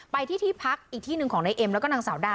ไปที่ที่พักอีกที่หนึ่งของนายเอ็มแล้วก็นางสาวดา